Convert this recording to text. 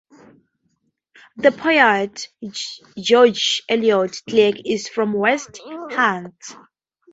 The poet George Elliot Clarke is from West Hants.